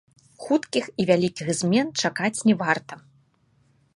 Хуткіх і вялікіх змен чакаць не варта.